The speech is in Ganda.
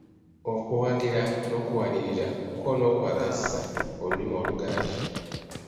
Okuwagira n’okuwanirira ko n’okwagazisa olulimi Oluganda